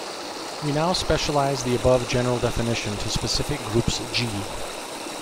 We now specialize the above general definition to specific groups "G".